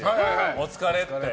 お疲れって。